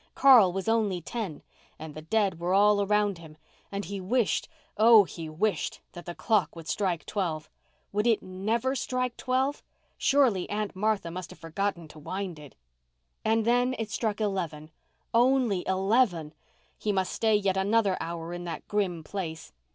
Carl was only ten and the dead were all around him—and he wished, oh, he wished that the clock would strike twelve. Would it never strike twelve? Surely Aunt Martha must have forgotten to wind it. And then it struck eleven—only eleven! He must stay yet another hour in that grim place.